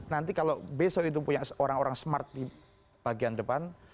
nanti kalau besok itu punya orang orang smart di bagian depan